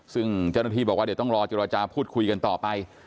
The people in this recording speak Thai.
ซึ่งเจ้าหน้าที่บอกว่าเดี๋ยวต้องรอเจรจาพูดคุยกันต่อไป